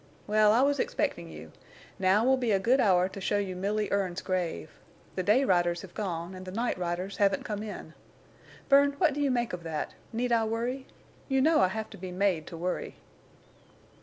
Well, I was expecting you. Now will be a good hour to show you Milly Erne's grave. The day riders have gone, and the night riders haven't come in. Bern, what do you make of that? Need I worry? You know I have to be made to worry."